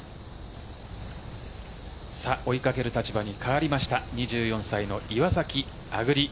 追いかける立場に変わりました２４歳の岩崎亜久竜。